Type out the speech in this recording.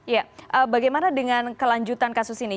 ya bagaimana dengan kelanjutan kasus ini